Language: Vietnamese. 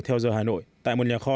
theo giờ hà nội tại một nhà kho